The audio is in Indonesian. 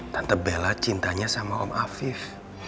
tante bela cintanya sama om afif